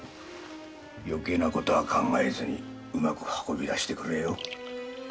よけいなことは考えずにうまく運び出してくれ。